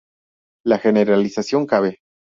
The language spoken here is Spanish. La generalización cabe.